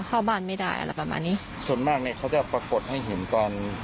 เข้าบ้านไม่ได้อะไรประมาณนี้ส่วนมากเนี้ยเขาจะปรากฏให้เห็นตอน